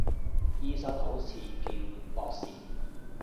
醫生好似叫博士